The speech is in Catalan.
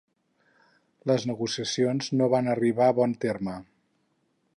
Les negociacions no van arribar bon terme.